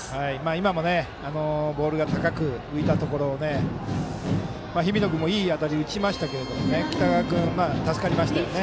今もボールが高く浮いたところを日比野君もいい当たりで打ちましたけど北川君、助かりましたね。